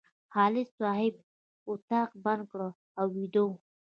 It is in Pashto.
خالد صاحب اتاق بند کړی او ویده و.